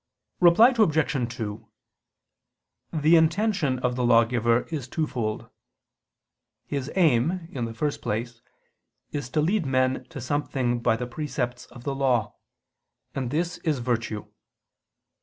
Reply Obj. 2: The intention of the lawgiver is twofold. His aim, in the first place, is to lead men to something by the precepts of the law: and this is virtue.